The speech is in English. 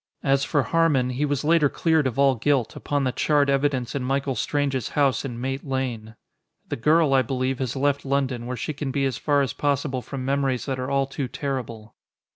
As for Harmon, he was later cleared of all guilt, upon the charred evidence in Michael Strange's house in Mate Lane. The girl, I believe, has left London, where she can be as far as possible from memories that are all too terrible.